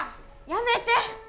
やめて！